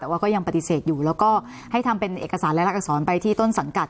แต่ว่าก็ยังปฏิเสธอยู่แล้วก็ให้ทำเป็นเอกสารและรักอักษรไปที่ต้นสังกัด